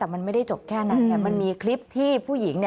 แต่มันไม่ได้จบแค่นั้นไงมันมีคลิปที่ผู้หญิง